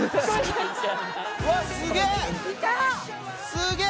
すげえ！